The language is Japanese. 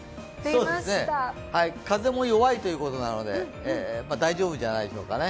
風も弱いということなので大丈夫じゃないでしょうかね。